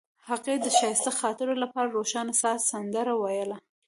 هغې د ښایسته خاطرو لپاره د روښانه سهار سندره ویله.